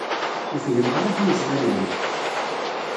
Ur fhimeɣ ara tameẓla-nwent.